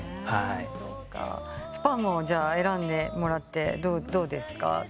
『ＳＰＡＭ』を選んでもらってどうですか？